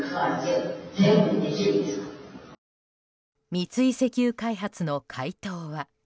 三井石油開発の回答は。